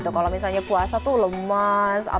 kalau misalnya puasa tuh lemas